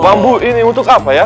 bambu ini untuk apa ya